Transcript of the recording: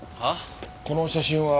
この写真は？